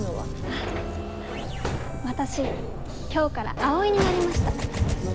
あ私今日から葵になりました。